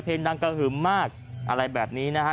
ดังกระหึ่มมากอะไรแบบนี้นะฮะ